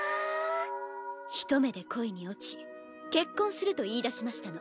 ひと目で恋に落ち結婚すると言いだしましたの。